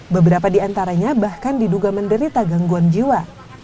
beberapa diantaranya bahkan diduga menderita gangguan jiwa